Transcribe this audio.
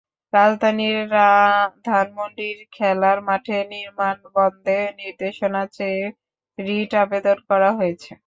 রাজধানীর ধানমন্ডির খেলার মাঠে নির্মাণ বন্ধে নির্দেশনা চেয়ে রিট আবেদন করা হয়েছে।